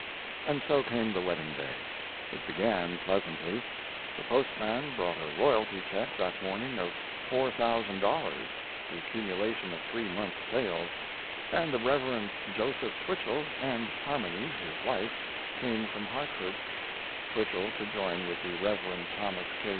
And so came the wedding day. It began pleasantly; the postman brought a royalty check that morning of $4,000, the accumulation of three months' sales, and the Rev. Joseph Twichell and Harmony, his wife, came from Hartford Twichell to join with the Rev. Thomas K.